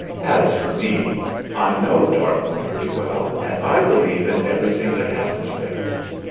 As for me, I know Dartmoor pretty well, and I believe in everything that happens there.